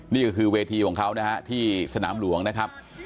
นี่ก็คือเวทีของเขานะฮะที่สนามหลวงนะครับ